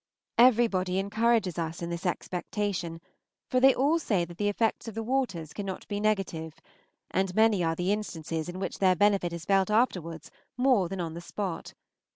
Everybody encourages us in this expectation, for they all say that the effect of the waters cannot be negative, and many are the instances in which their benefit is felt afterwards more than on the spot.